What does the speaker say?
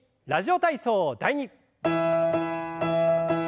「ラジオ体操第２」。